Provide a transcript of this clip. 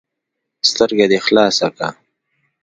ـ سترګه دې خلاصه که.